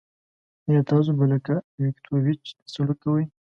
آیا تاسو به لکه ویتکیویچ سلوک کوئ.